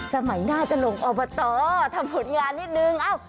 สมัยหน้าจะหลงออกมาต่อทำผู้งานนิดหนึ่ง